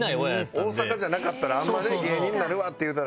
大阪じゃなかったらあんまね芸人なるわって言うたら。